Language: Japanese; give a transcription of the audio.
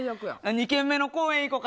２軒目の公園行こうか。